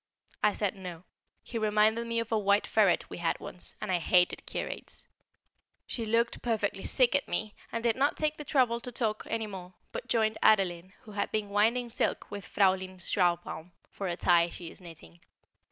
I said No; he reminded me of a white ferret we had once, and I hated curates. She looked perfectly sick at me and did not take the trouble to talk any more, but joined Adeline, who had been winding silk with Fräulein Schlarbaum for a tie she is knitting.